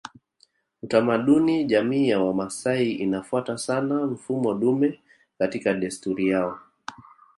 Utamaduni Jamii ya Wamasai inafuata sana mfumo dume katika desturi yao